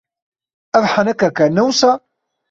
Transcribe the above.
Ev henekek e, ne wisa?